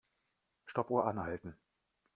Stoppuhr anhalten.